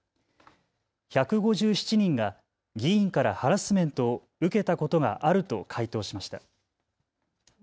１５７人が議員からハラスメントを受けたことがあると回答しました。